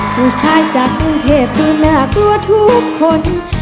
ผู้ชายจากกรุงเทพที่น่ากลัวทุกคน